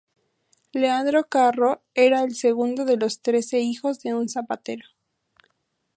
Leandro Carro era el segundo de los trece hijos de un zapatero.